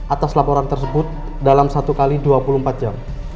atas laporan tersebut dalam satu x dua puluh empat jam